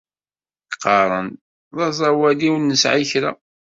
Qqaren-d d aẓawali ur nesɛi kra.